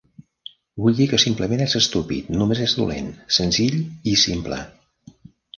Vull dir que simplement és estúpid, només és dolent, senzill i simple.